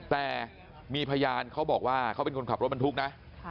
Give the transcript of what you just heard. แต่มีพยานเขาบอกว่าเขาเป็นคนขับรถบรรทุกนะ